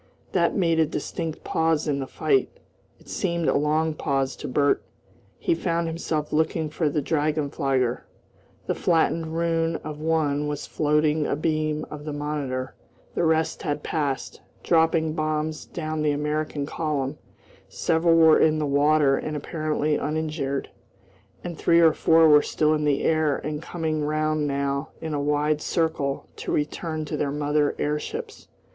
That made a distinct pause in the fight. It seemed a long pause to Bert. He found himself looking for the drachenflieger. The flattened ruin of one was floating abeam of the Monitor, the rest had passed, dropping bombs down the American column; several were in the water and apparently uninjured, and three or four were still in the air and coming round now in a wide circle to return to their mother airships.